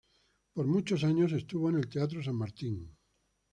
Por muchos años estuvo en el teatro San Martín.